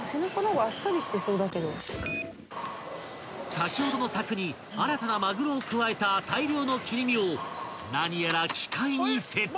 ［先ほどのさくに新たなまぐろを加えた大量の切り身を何やら機械にセット］